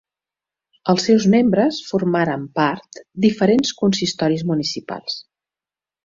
Els seus membres formaren part diferents consistoris municipals.